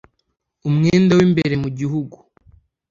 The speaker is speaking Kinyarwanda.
umwenda w'imbere mu gihugu,